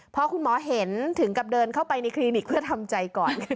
พอคุณหมอเห็นถึงกับเดินเข้าไปในคลินิกเพื่อทำใจก่อน